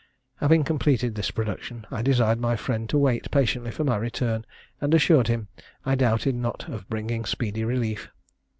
Having completed this production, I desired my friend to wait patiently for my return, and assured him I doubted not of bringing speedy relief.